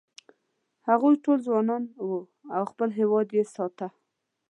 هغوی ټول ځوانان و او خپل هېواد یې ساته.